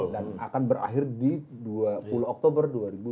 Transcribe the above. dan akan berakhir di sepuluh oktober dua ribu dua puluh empat